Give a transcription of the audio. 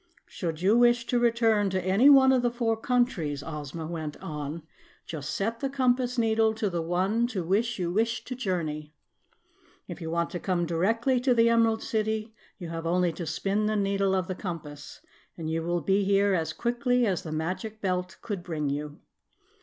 "Should you wish to return to any one of the four countries," Ozma went on, "just set the compass needle to the one to which you wish to journey. If you want to come directly to the Emerald City, you have only to spin the needle of the compass, and you will be here as quickly as the Magic Belt could bring you."